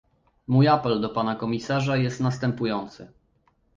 Mój apel do pana komisarza jest następujący